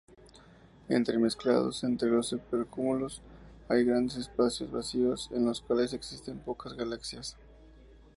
Entremezclados entre los supercúmulos hay grandes espacios vacíos en los cuales existen pocas galaxias.